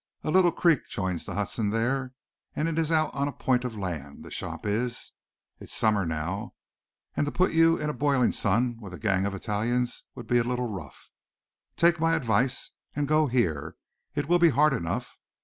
A little creek joins the Hudson there and it's out on a point of land, the shop is. It's summer now, and to put you in a broiling sun with a gang of Italians would be a little rough. Take my advice and go here. It will be hard enough.